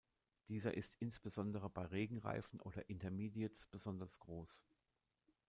Dieser ist insbesondere bei Regenreifen oder Intermediates besonders groß.